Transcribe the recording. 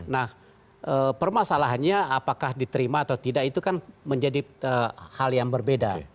nah permasalahannya apakah diterima atau tidak itu kan menjadi hal yang berbeda